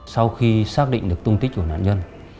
sau khi xác định được tung tích của nạn nhân